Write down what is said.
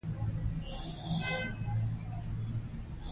په اسلامي هیوادونو کښي دوه ډوله خلک د ډیموکراسۍ څخه بېره لري.